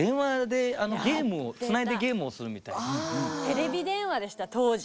テレビ電話でした当時。